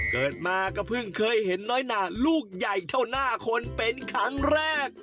เกิดมาก็เพิ่งเคยเห็นน้อยหนาลูกใหญ่เท่าหน้าคนเป็นครั้งแรก